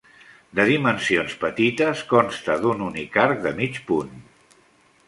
De dimensions petites, consta d'un únic arc de mig punt.